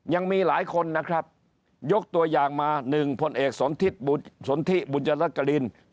ยังมีหลายคนนะครับยกตัวอย่างมา๑พลเอกสนทิศสนทิบุญจรรกริน